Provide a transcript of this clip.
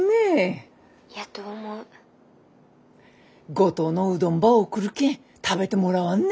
五島のうどんば送るけん食べてもらわんね。